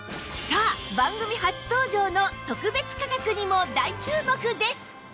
さあ番組初登場の特別価格にも大注目です！